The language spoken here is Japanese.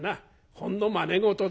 ほんのまね事だ。